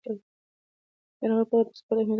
د ناروغانو پوهه د سپورت په اهمیت کې اغېزه لري.